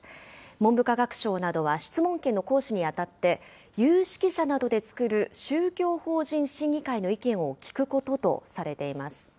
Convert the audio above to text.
文部科学省などは質問権の行使に当たって、有識者などで作る宗教法人審議会の意見を聞くこととされています。